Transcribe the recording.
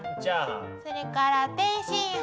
それから天津飯。